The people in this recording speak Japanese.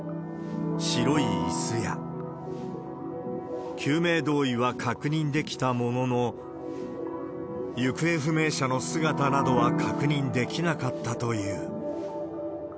白いいすや救命胴衣は確認できたものの、行方不明者の姿などは確認できなかったという。